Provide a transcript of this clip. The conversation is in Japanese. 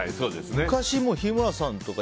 昔、日村さんとか。